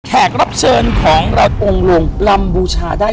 แขกรับเชิญของเราองค์ลงลำบูชาได้